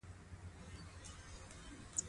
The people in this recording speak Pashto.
افغانستان د کابل لپاره مشهور دی.